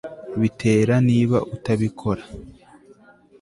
bitera niba utabikora